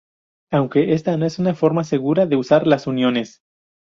Aunque esta no es una forma segura de usar las uniones.